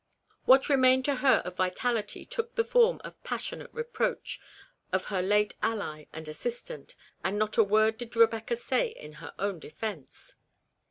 What remained to her of vitality took the form of passionate reproach of her late ally and assistant, and not a word did Rebecca say in her own defence.